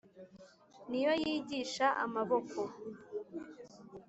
Ni yo yigisha amaboko